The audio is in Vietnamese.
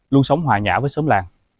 luôn sống hòa nhã với xóm làng